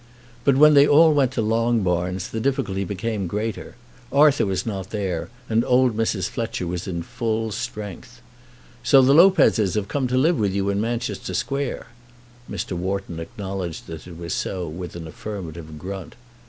But when they all went to Longbarns, the difficulty became greater. Arthur was not there, and old Mrs. Fletcher was in full strength. "So the Lopezes have come to live with you in Manchester Square?" Mr. Wharton acknowledged that it was so with an affirmative grunt.